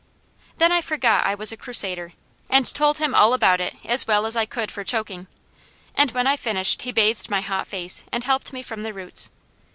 Then I forgot I was a Crusader, and told him all about it as well as I could for choking, and when I finished he bathed my hot face, and helped me from the roots.